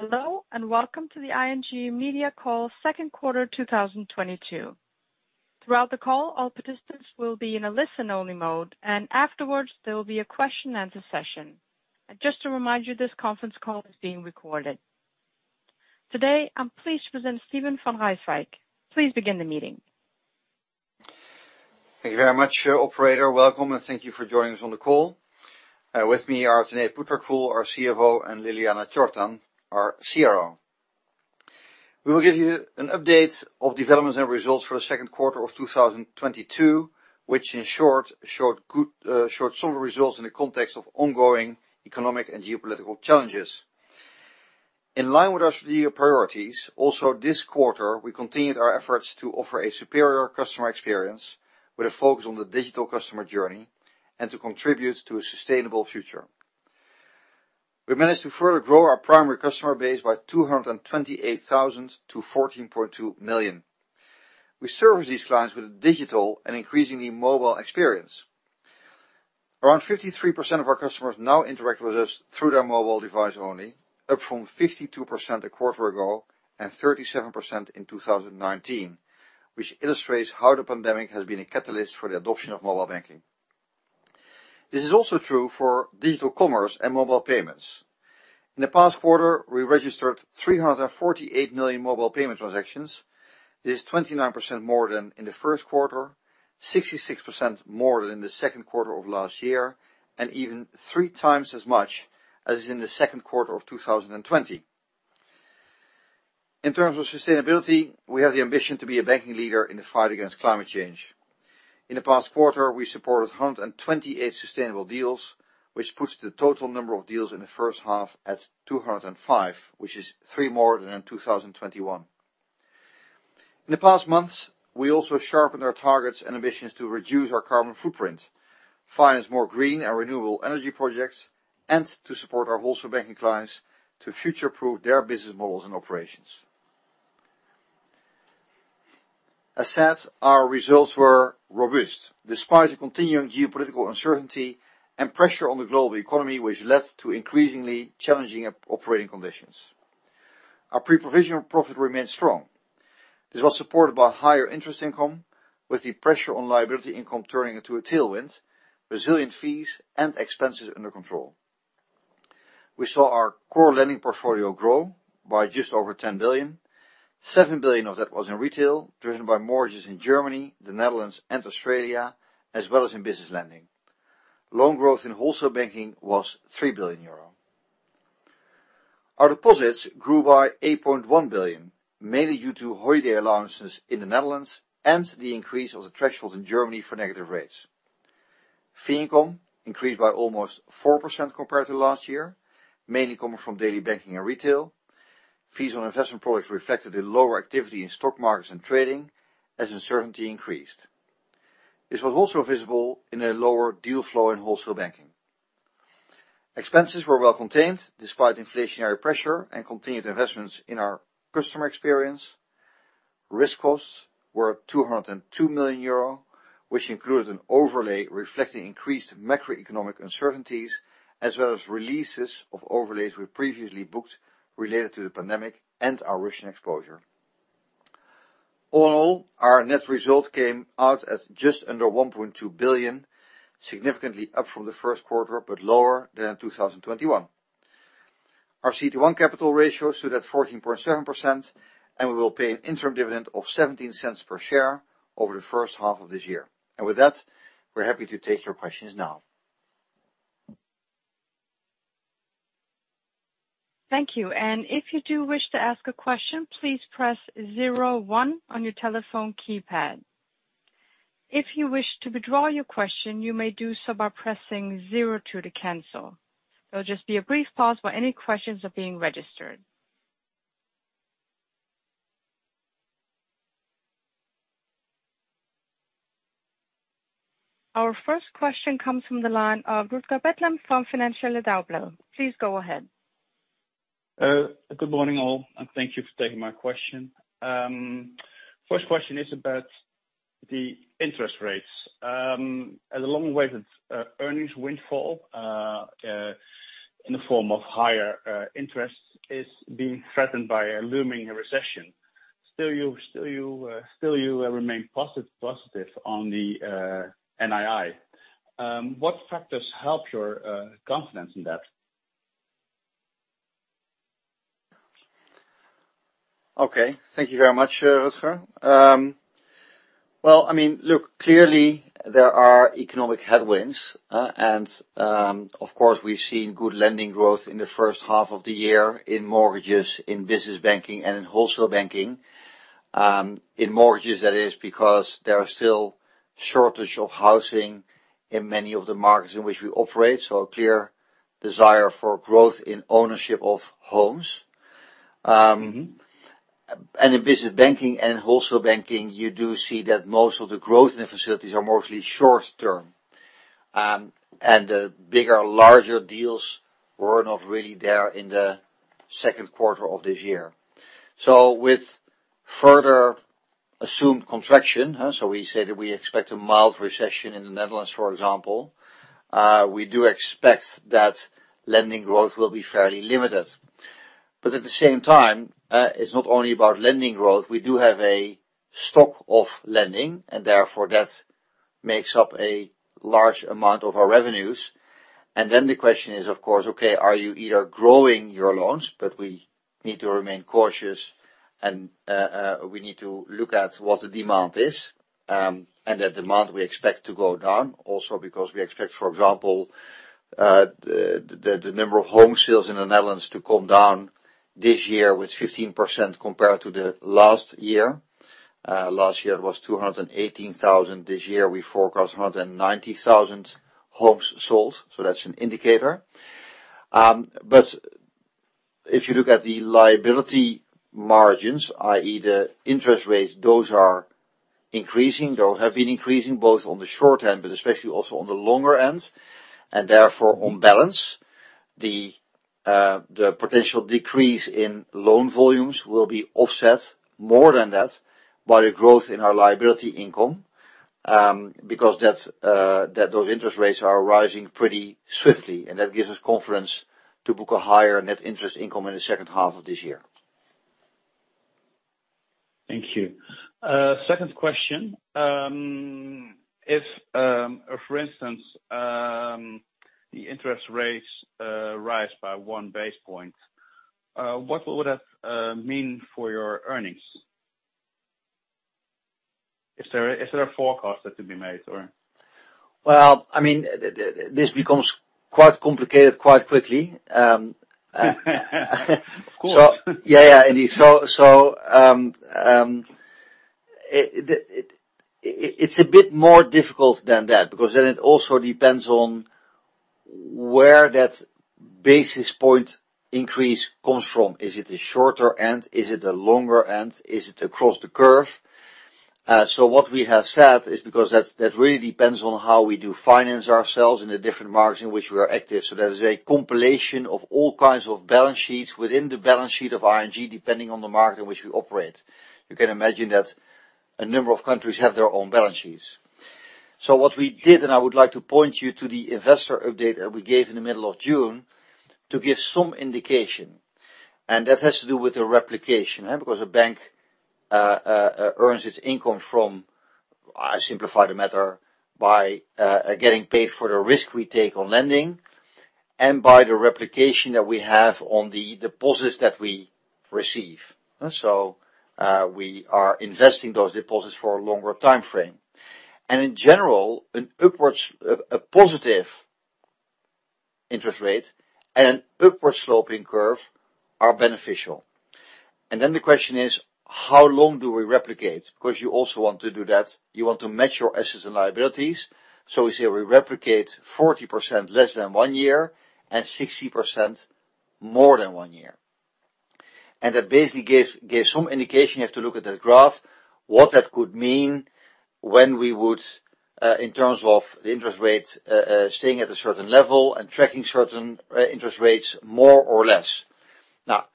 Hello, and welcome to the ING Media Call, Second Quarter 2022. Throughout the call, all participants will be in a listen-only mode, and afterwards there will be a question-and-answer session. Just to remind you, this conference call is being recorded. Today, I'm pleased to present Steven van Rijswijk. Please begin the meeting. Thank you very much, operator. Welcome, and thank you for joining us on the call. With me are Tanate Phutrakul, our CFO, and Ljiljana Čortan, our CRO. We will give you an update of developments and results for the second quarter of 2022, which in short showed solid results in the context of ongoing economic and geopolitical challenges. In line with our three-year priorities, also this quarter we continued our efforts to offer a superior customer experience with a focus on the digital customer journey and to contribute to a sustainable future. We managed to further grow our primary customer base by 228,000 to 14.2 million. We service these clients with a digital and increasingly mobile experience. Around 53% of our customers now interact with us through their mobile device only, up from 52% a quarter ago and 37% in 2019, which illustrates how the pandemic has been a catalyst for the adoption of mobile banking. This is also true for digital commerce and mobile payments. In the past quarter, we registered 348 million mobile payment transactions. This is 29% more than in the first quarter, 66% more than the second quarter of last year, and even 3x as much as in the second quarter of 2020. In terms of sustainability, we have the ambition to be a banking leader in the fight against climate change. In the past quarter, we supported 128 sustainable deals, which puts the total number of deals in the first half at 205, which is three more than in 2021. In the past months, we also sharpened our targets and ambitions to reduce our carbon footprint, finance more green and renewable energy projects, and to support our wholesale banking clients to future-proof their business models and operations. As said, our results were robust, despite the continuing geopolitical uncertainty and pressure on the global economy, which led to increasingly challenging operating conditions. Our pre-provision profit remained strong. This was supported by higher interest income, with the pressure on liability income turning into a tailwind, resilient fees, and expenses under control. We saw our core lending portfolio grow by just over 10 billion. 7 billion of that was in retail, driven by mortgages in Germany, the Netherlands, and Australia, as well as in business lending. Loan growth in wholesale banking was 3 billion euro. Our deposits grew by 8.1 billion, mainly due to holiday allowances in the Netherlands and the increase of the threshold in Germany for negative rates. Fee income increased by almost 4% compared to last year, mainly coming from daily banking and retail. Fees on investment products reflected a lower activity in stock markets and trading as uncertainty increased. This was also visible in a lower deal flow in wholesale banking. Expenses were well contained despite inflationary pressure and continued investments in our customer experience. Risk costs were 202 million euro, which included an overlay reflecting increased macroeconomic uncertainties, as well as releases of overlays we previously booked related to the pandemic and our Russian exposure. All in all, our net result came out as just under 1.2 billion, significantly up from the first quarter, but lower than 2021. Our CET1 capital ratio stood at 14.7%, and we will pay an interim dividend of 0.17 per share over the first half of this year. With that, we're happy to take your questions now. Thank you. If you do wish to ask a question, please press zero one on your telephone keypad. If you wish to withdraw your question, you may do so by pressing zero two to cancel. There'll just be a brief pause while any questions are being registered. Our first question comes from the line of Rutger Betlem from Het Financieele Dagblad. Please go ahead. Good morning, all, and thank you for taking my question. First question is about the interest rates. As always with earnings windfall in the form of higher interest is being threatened by a looming recession. Still, you remain positive on the NII. What factors help your confidence in that? Okay. Thank you very much, Rutger. Well, I mean, look, clearly there are economic headwinds, and, of course, we've seen good lending growth in the first half of the year in mortgages, in business banking, and in wholesale banking. In mortgages, that is because there are still shortage of housing in many of the markets in which we operate, so a clear desire for growth in ownership of homes. Mm-hmm. In business banking and wholesale banking, you do see that most of the growth in the facilities are mostly short-term. The bigger, larger deals were not really there in the second quarter of this year. With further assumed contraction, we say that we expect a mild recession in the Netherlands, for example, we do expect that lending growth will be fairly limited. At the same time, it's not only about lending growth, we do have a stock of lending and therefore that makes up a large amount of our revenues. The question is, of course, okay, are you either growing your loans? We need to remain cautious and we need to look at what the demand is, and that demand we expect to go down also because we expect, for example, the number of home sales in the Netherlands to come down this year with 15% compared to the last year. Last year it was 218,000. This year, we forecast 190,000 homes sold. That's an indicator. If you look at the liability margins, i.e. the interest rates, those are increasing, or have been increasing both on the short end but especially also on the longer end. Therefore on balance, the potential decrease in loan volumes will be offset more than that by the growth in our liability income, because those interest rates are rising pretty swiftly and that gives us confidence to book a higher net interest income in the second half of this year. Thank you. Second question. If, for instance, the interest rates rise by one basis point, what would that mean for your earnings? Is there a forecast that can be made or? Well, I mean, this becomes quite complicated quite quickly. Of course. It's a bit more difficult than that because then it also depends on where that basis point increase comes from. Is it a shorter end? Is it a longer end? Is it across the curve? What we have said is because that really depends on how we do finance ourselves in the different markets in which we are active. There's a compilation of all kinds of balance sheets within the balance sheet of ING, depending on the market in which we operate. You can imagine that a number of countries have their own balance sheets. What we did, and I would like to point you to the investor update that we gave in the middle of June to give some indication. That has to do with the replication. Because a bank earns its income from, I simplify the matter, by getting paid for the risk we take on lending and by the reinvestment that we have on the deposits that we receive. We are investing those deposits for a longer timeframe. In general, a positive interest rate and upward sloping curve are beneficial. The question is, how long do we reinvest? Because you also want to do that. You want to match your assets and liabilities. We say we reinvest 40% less than one year and 60% more than one year. That basically gives some indication. You have to look at the graph what that could mean when we would in terms of the interest rates staying at a certain level and tracking certain interest rates more or less. Now,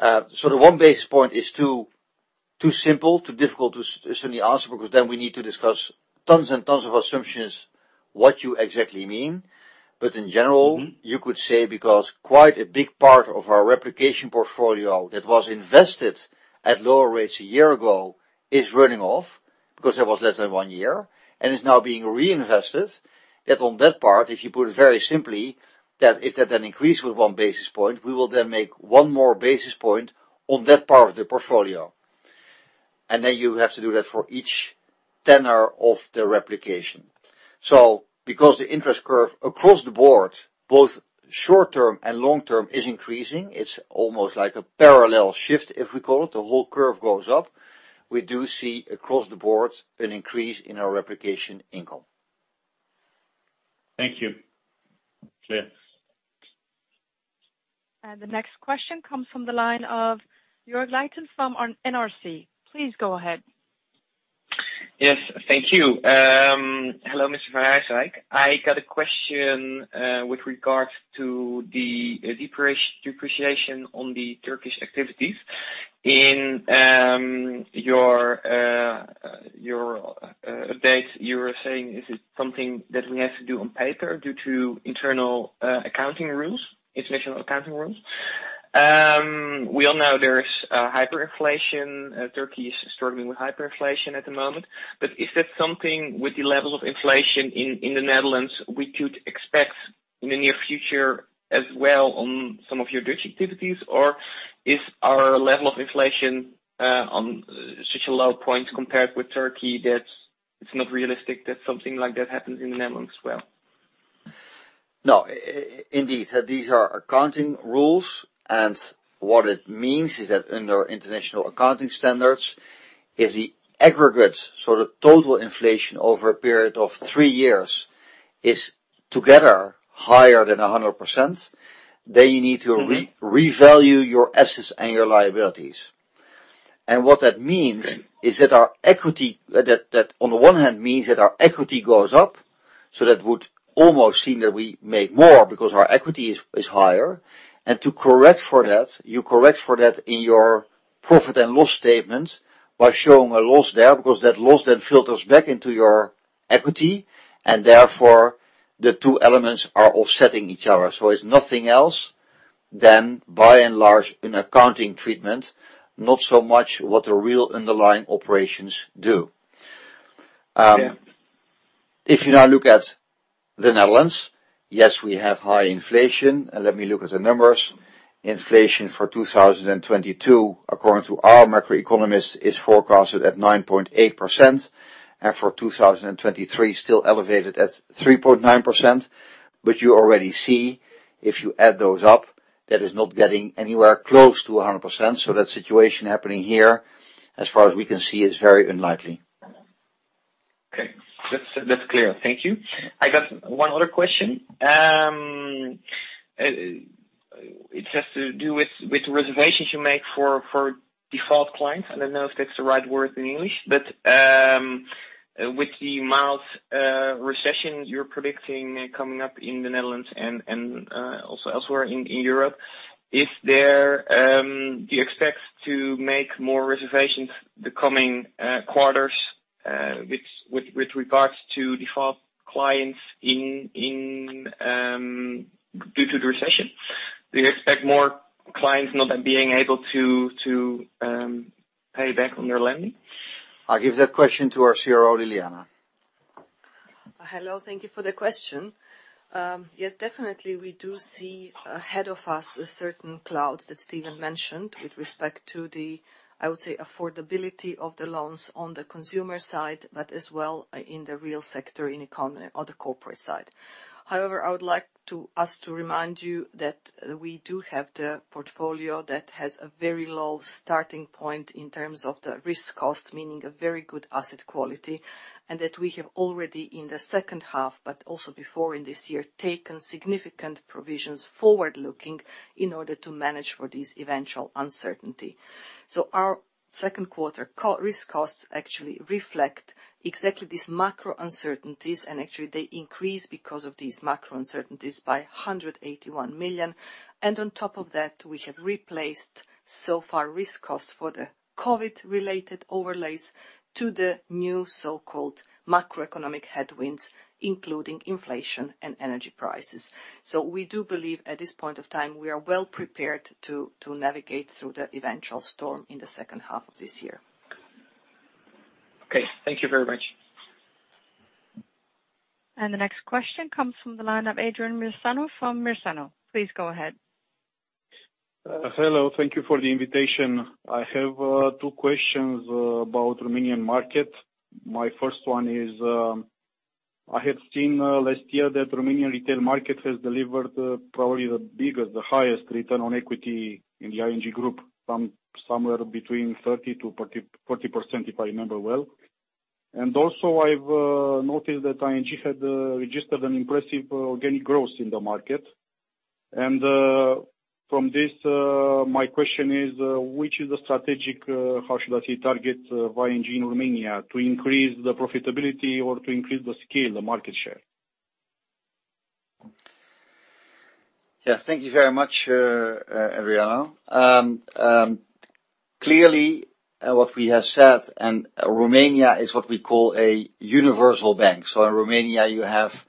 the one basis point is too simple, too difficult to certainly answer because then we need to discuss tons and tons of assumptions, what you exactly mean. In general- Mm-hmm. You could say because quite a big part of our replication portfolio that was invested at lower rates a year ago is running off because that was less than one year and is now being reinvested. Yet on that part, if you put it very simply, that if that then increases with one basis point, we will then make one more basis point on that part of the portfolio. Then you have to do that for each tenor of the replication. Because the interest curve across the board, both short-term and long-term, is increasing, it's almost like a parallel shift, if we call it. The whole curve goes up. We do see across the board an increase in our replication income. Thank you. Clear. The next question comes from the line of Jorg Leijten from NRC. Please go ahead. Yes, thank you. Hello, Mr. van Rijswijk. I got a question with regards to the depreciation on the Turkish activities. In your update, you were saying this is something that we have to do on paper due to internal accounting rules, international accounting rules. We all know there is a hyperinflation. Turkey is struggling with hyperinflation at the moment. But is that something with the level of inflation in the Netherlands we could expect in the near future as well on some of your Dutch activities? Or is our level of inflation on such a low point compared with Turkey that it's not realistic that something like that happens in the Netherlands as well? No, indeed, these are accounting rules, and what it means is that under international accounting standards, if the aggregate, so the total inflation over a period of three years is together higher than 100%, then you need to revalue your assets and your liabilities. What that means is that our equity that on the one hand means that our equity goes up, so that would almost seem that we make more because our equity is higher. To correct for that, you correct for that in your profit and loss statement by showing a loss there because that loss then filters back into your equity and therefore the two elements are offsetting each other. It's nothing else than by and large an accounting treatment, not so much what the real underlying operations do. If you now look at the Netherlands, yes, we have high inflation. Let me look at the numbers. Inflation for 2022, according to our macroeconomists, is forecasted at 9.8%. For 2023, still elevated at 3.9%. You already see if you add those up, that is not getting anywhere close to 100%. That situation happening here, as far as we can see is very unlikely. Okay. That's clear. Thank you. I got one other question. It has to do with the reservations you make for default clients. I don't know if that's the right word in English, but with the mild recession you're predicting coming up in the Netherlands and also elsewhere in Europe, do you expect to make more reservations the coming quarters with regards to default clients due to the recession? Do you expect more clients not being able to pay back on their lending? I'll give that question to our CRO, Ljiljana. Hello. Thank you for the question. Yes, definitely we do see ahead of us a certain clouds that Steven mentioned with respect to the, I would say, affordability of the loans on the consumer side, but as well in the real sector, in economy or the corporate side. However, I would like to remind you that we do have the portfolio that has a very low starting point in terms of the cost of risk, meaning a very good asset quality. We have already in the second half, but also before in this year, taken significant forward-looking provisions in order to manage for this eventual uncertainty. Our second quarter cost of risk actually reflect exactly these macro uncertainties, and actually they increase because of these macro uncertainties by 181 million. On top of that, we have replaced so far risk costs for the COVID-related overlays to the new so-called macroeconomic headwinds, including inflation and energy prices. We do believe at this point of time we are well prepared to navigate through the eventual storm in the second half of this year. Okay. Thank you very much. The next question comes from the line of Adrian Muresanu from Muresanu. Please go ahead. Hello. Thank you for the invitation. I have two questions about Romanian market. My first one is, I have seen last year that Romanian retail market has delivered probably the biggest, the highest return on equity in the ING Groep, somewhere between 30%-40%, if I remember well. Also I've noticed that ING had registered an impressive organic growth in the market. From this, my question is, which is the strategic, how should I say, target for ING Romania? To increase the profitability or to increase the scale, the market share? Yeah. Thank you very much, Adrian. Clearly, what we have said, and Romania is what we call a universal bank. In Romania you have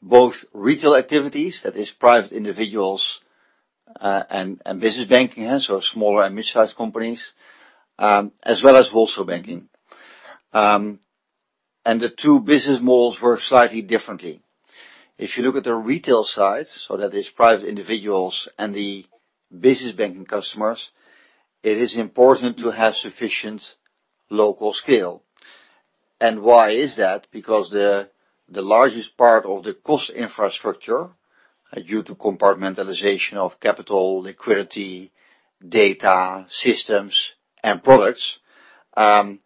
both retail activities, that is private individuals, and business banking. Small and mid-sized companies, as well as wholesale banking. The two business models work slightly differently. If you look at the retail side, so that is private individuals and the business banking customers, it is important to have sufficient local scale. Why is that? Because the largest part of the cost infrastructure due to compartmentalization of capital, liquidity, data, systems and products, therefore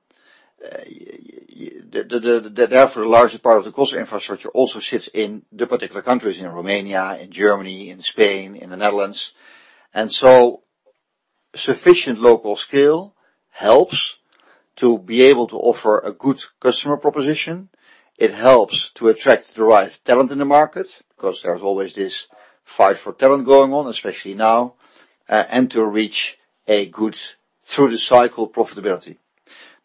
also sits in the particular countries, in Romania, in Germany, in Spain, in the Netherlands. Sufficient local scale helps to be able to offer a good customer proposition. It helps to attract the right talent in the market, 'cause there's always this fight for talent going on, especially now, and to reach a good through the cycle profitability.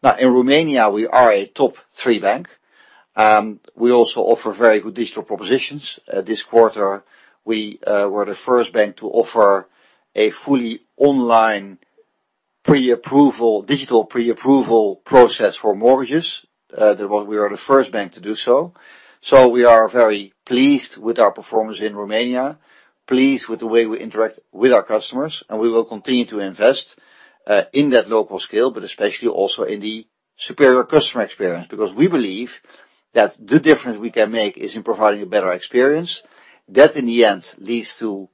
Now, in Romania, we are a top three bank. We also offer very good digital propositions. This quarter we're the first bank to offer a fully online digital pre-approval process for mortgages. We are the first bank to do so. We are very pleased with our performance in Romania, pleased with the way we interact with our customers, and we will continue to invest in that local scale, but especially also in the superior customer experience. Because we believe that the difference we can make is in providing a better experience. That in the end leads to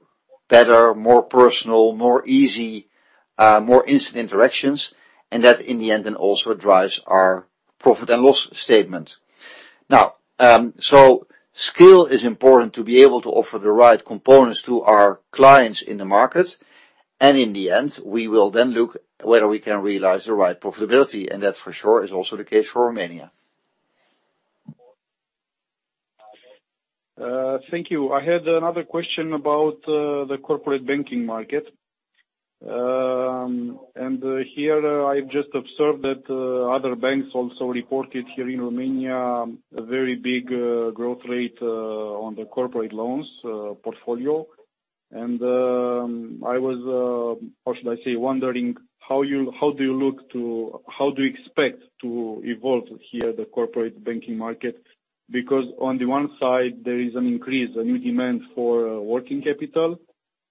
better, more personal, more easy, more instant interactions. That in the end then also drives our profit and loss statement. Now, skill is important to be able to offer the right components to our clients in the market. In the end, we will then look whether we can realize the right profitability, and that for sure is also the case for Romania. Thank you. I had another question about the corporate banking market. Here I've just observed that other banks also reported here in Romania a very big growth rate on the corporate loans portfolio. I was how should I say, wondering how do you expect to evolve here the corporate banking market? Because on the one side, there is an increase, a new demand for working capital,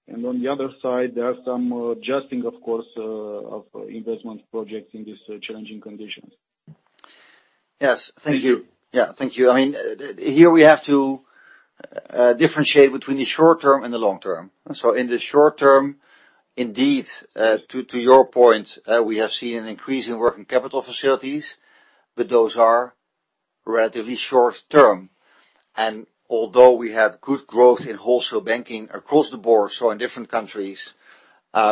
and on the other side, there are some adjustments, of course, of investment projects in these challenging conditions. Yes. Thank you. Thank you. Yeah. Thank you. I mean, here we have to differentiate between the short term and the long term. In the short term, indeed, to your point, we have seen an increase in working capital facilities, but those are relatively short term. Although we have good growth in wholesale banking across the board, so in different countries,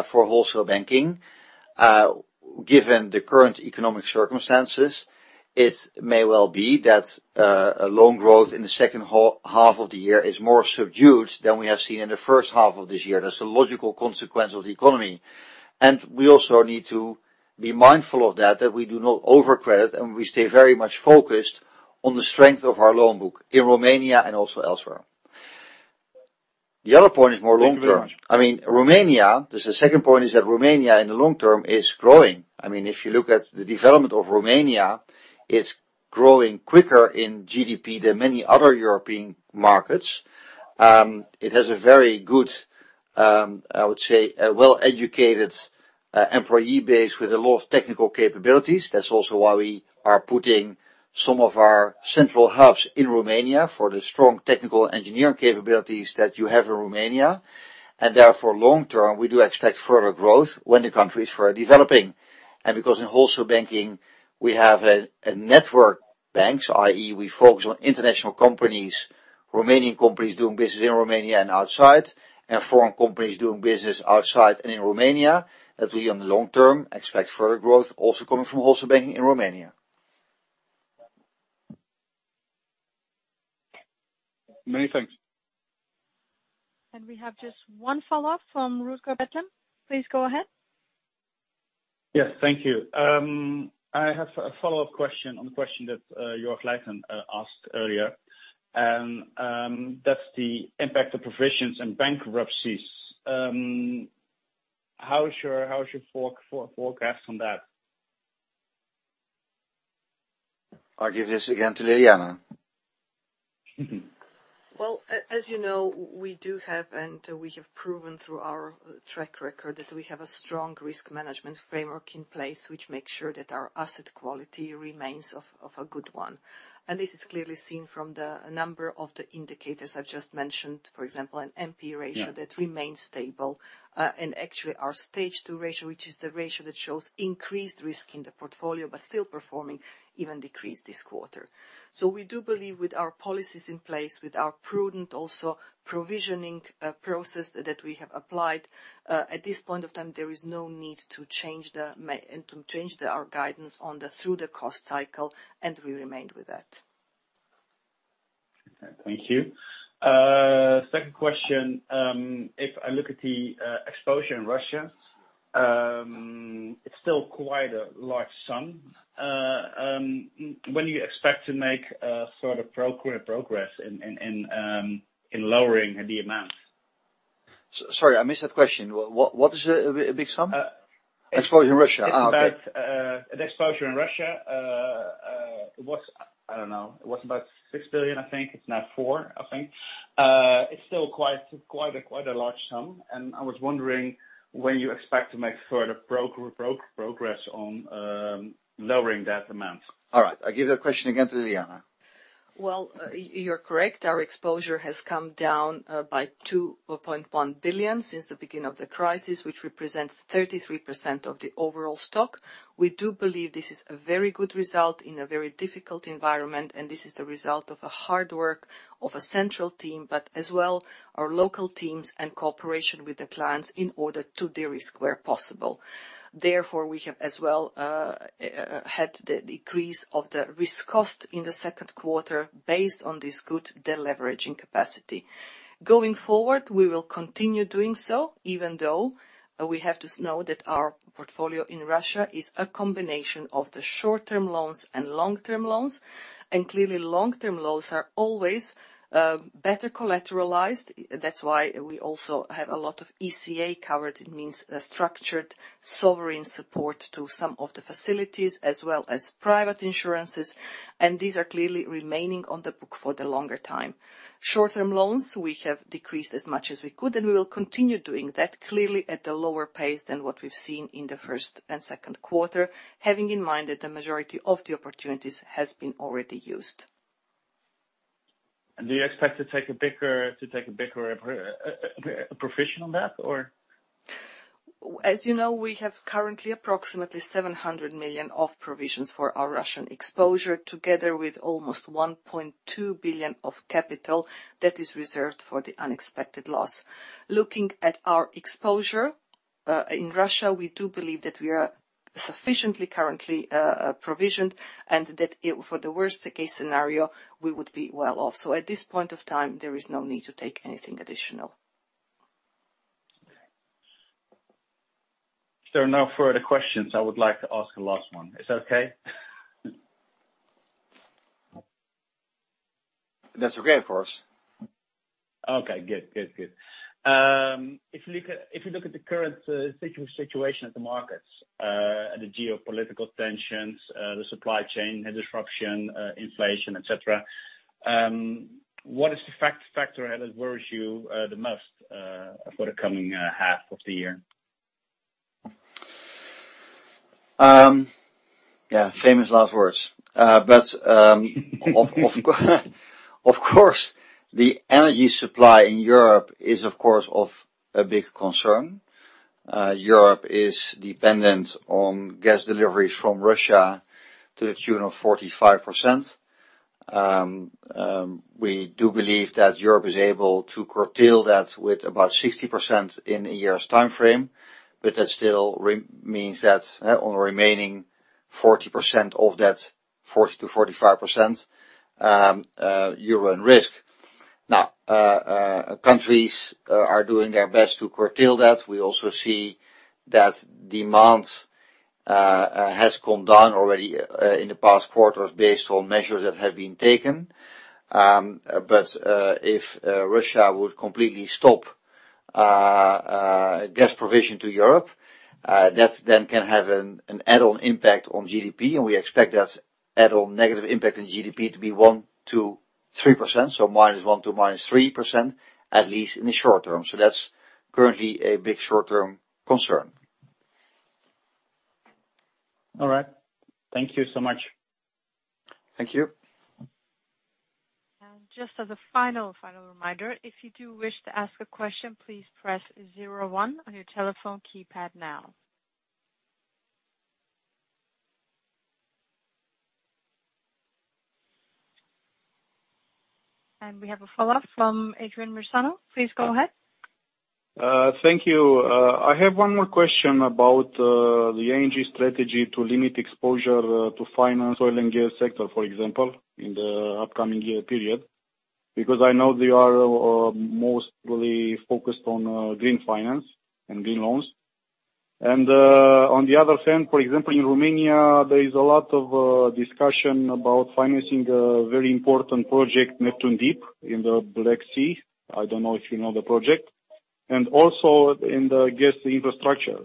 for wholesale banking, given the current economic circumstances, it may well be that loan growth in the second half of the year is more subdued than we have seen in the first half of this year. That's a logical consequence of the economy. We also need to be mindful of that, we do not over-credit, and we stay very much focused on the strength of our loan book in Romania and also elsewhere. The other point is more long-term. Thank you very much. I mean, Romania, the second point is that Romania in the long term is growing. I mean, if you look at the development of Romania, it's growing quicker in GDP than many other European markets. It has a very good, I would say, a well-educated employee base with a lot of technical capabilities. That's also why we are putting some of our central hubs in Romania for the strong technical engineering capabilities that you have in Romania. Therefore, long-term, we do expect further growth when the countries are developing. Because in wholesale banking, we have a network of banks, i.e., we focus on international companies, Romanian companies doing business in Romania and outside, and foreign companies doing business outside and in Romania, that we, on the long term, expect further growth also coming from wholesale banking in Romania. Many thanks. We have just one follow-up from Rutger Betlem. Please go ahead. Yes. Thank you. I have a follow-up question on the question that Jorg Leijten asked earlier, and that's the impact of provisions and bankruptcies. How is your forecast on that? I'll give this again to Ljiljana. Well, as you know, we do have, and we have proven through our track record, that we have a strong risk management framework in place which makes sure that our asset quality remains of a good one. This is clearly seen from the number of the indicators I've just mentioned, for example, an NPL ratio. Yeah that remains stable. Actually our Stage 2 ratio, which is the ratio that shows increased risk in the portfolio but still performing, even decreased this quarter. We do believe with our policies in place, with our prudent also provisioning process that we have applied at this point of time, there is no need to change our guidance through the credit cycle, and we remain with that. Thank you. Second question, if I look at the exposure in Russia, it's still quite a large sum. When do you expect to make sort of progress in lowering the amount? Sorry, I missed that question. What is a big sum? Uh Exposure in Russia. Okay. It's about the exposure in Russia. It was, I don't know, it was about 6 billion, I think. It's now 4 billion, I think. It's still quite a large sum, and I was wondering when you expect to make further progress on lowering that amount. All right. I give that question again to Ljiljana. Well, you're correct. Our exposure has come down by 2.1 billion since the beginning of the crisis, which represents 33% of the overall stock. We do believe this is a very good result in a very difficult environment, and this is the result of a hard work of a central team, but as well our local teams and cooperation with the clients in order to de-risk where possible. Therefore, we have as well had the decrease of the risk cost in the second quarter based on this good deleveraging capacity. Going forward, we will continue doing so, even though we have to know that our portfolio in Russia is a combination of the short-term loans and long-term loans. Clearly, long-term loans are always better collateralized. That's why we also have a lot of ECA covered. It means a structured sovereign support to some of the facilities as well as private insurances. These are clearly remaining on the book for the longer time. Short-term loans, we have decreased as much as we could, and we will continue doing that, clearly at a lower pace than what we've seen in the first and second quarter, having in mind that the majority of the opportunities has been already used. Do you expect to take a bigger provision on that or? As you know, we have currently approximately 700 million of provisions for our Russian exposure, together with almost 1.2 billion of capital that is reserved for the unexpected loss. Looking at our exposure in Russia, we do believe that we are sufficiently currently provisioned and for the worst case scenario, we would be well off. At this point of time, there is no need to take anything additional. If there are no further questions, I would like to ask a last one. Is that okay? That's okay, of course. Okay, good. If you look at the current situation at the markets and the geopolitical tensions, the supply chain disruption, inflation, et cetera, what is the factor that worries you the most for the coming half of the year? Yeah, famous last words. Of course, the energy supply in Europe is of course of a big concern. Europe is dependent on gas deliveries from Russia to the tune of 45%. We do believe that Europe is able to curtail that with about 60% in a year's time frame, but that still means that on the remaining 40% of that, 40%-45%, you're at risk. Now, countries are doing their best to curtail that. We also see that demand has come down already in the past quarters based on measures that have been taken. If Russia would completely stop gas provision to Europe, that then can have an add-on impact on GDP, and we expect that add-on negative impact on GDP to be 1%-3%, so -1% to -3%, at least in the short term. That's currently a big short-term concern. All right. Thank you so much. Thank you. Just as a final reminder, if you do wish to ask a question, please press zero one on your telephone keypad now. We have a follow-up from Adrian Muresanu. Please go ahead. Thank you. I have one more question about the ING strategy to limit exposure to finance oil and gas sector, for example, in the upcoming year period, because I know they are mostly focused on green finance and green loans. On the other hand, for example, in Romania, there is a lot of discussion about financing a very important project, Neptun Deep, in the Black Sea. I don't know if you know the project. Also in the gas infrastructure.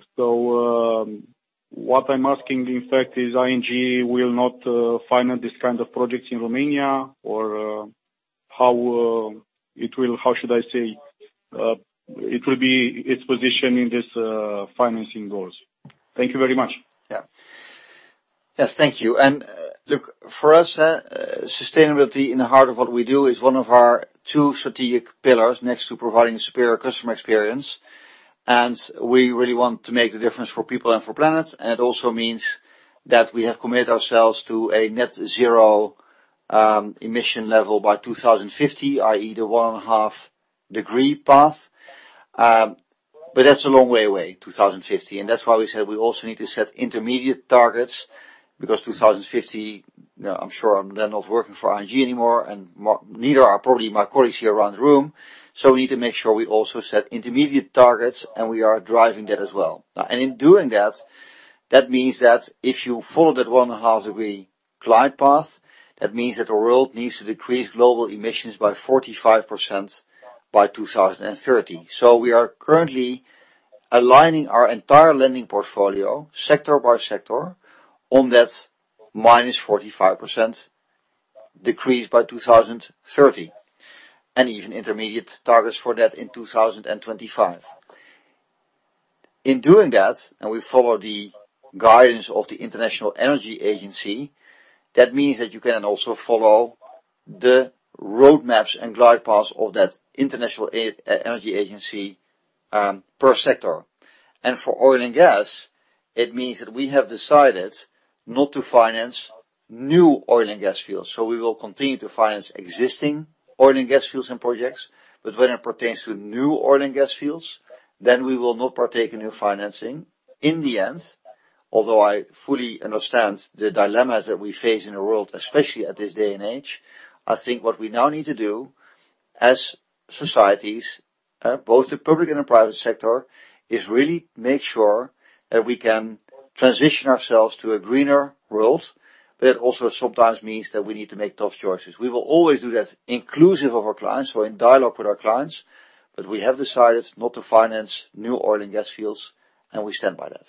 What I'm asking, in fact, is ING will not finance these kinds of projects in Romania or, how should I say, it will be its position in this financing goals. Thank you very much. Yeah. Yes, thank you. Look, for us, sustainability in the heart of what we do is one of our two strategic pillars next to providing superior customer experience. We really want to make the difference for people and for planet. It also means that we have committed ourselves to a net zero emission level by 2050, i.e. the 1.5 degree path. That's a long way away, 2050. That's why we said we also need to set intermediate targets because 2050, you know, I'm sure I'm then not working for ING anymore and neither are probably my colleagues here around the room. We need to make sure we also set intermediate targets, and we are driving that as well. In doing that means that if you follow that 1.5 degree glide path, that means that the world needs to decrease global emissions by 45% by 2030. We are currently aligning our entire lending portfolio sector by sector on that -45% decrease by 2030, and even intermediate targets for that in 2025. In doing that, we follow the guidance of the International Energy Agency, that means that you can also follow the roadmaps and glide paths of that International Energy Agency per sector. For oil and gas, it means that we have decided not to finance new oil and gas fields. We will continue to finance existing oil and gas fields and projects, but when it pertains to new oil and gas fields, then we will not partake in new financing. In the end, although I fully understand the dilemmas that we face in the world, especially in this day and age, I think what we now need to do as societies, both the public and the private sector, is really make sure that we can transition ourselves to a greener world. That also sometimes means that we need to make tough choices. We will always do that inclusive of our clients, so in dialogue with our clients, but we have decided not to finance new oil and gas fields, and we stand by that.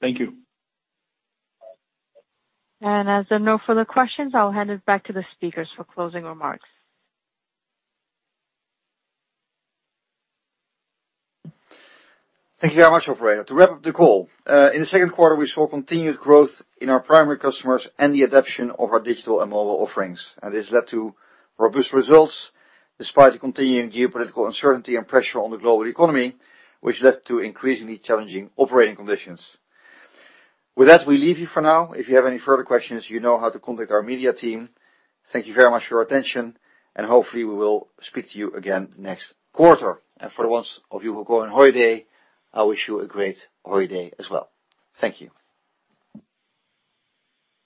Thank you. As there are no further questions, I'll hand it back to the speakers for closing remarks. Thank you very much, operator. To wrap up the call, in the second quarter, we saw continued growth in our primary customers and the adoption of our digital and mobile offerings. This led to robust results despite the continuing geopolitical uncertainty and pressure on the global economy, which led to increasingly challenging operating conditions. With that, we leave you for now. If you have any further questions, you know how to contact our media team. Thank you very much for your attention, and hopefully we will speak to you again next quarter. For the ones of you who go on holiday, I wish you a great holiday as well. Thank you.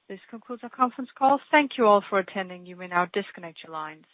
This concludes our conference call. Thank you all for attending. You may now disconnect your lines.